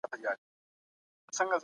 وروسته یې انتقام واخیست